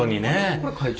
これ会長？